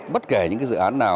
bất kể những dự án nào